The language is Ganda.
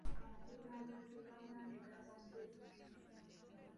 Amategula agaazimba Bulange gaava mu Belgium